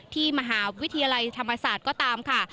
ที่มหาวิทยาลัยธรรมศาสตร์ก็ตามค่ะ